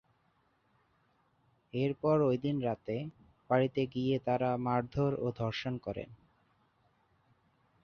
এরপর ওই দিন রাতে বাড়িতে গিয়ে তারা মারধর ও ধর্ষণ করেন।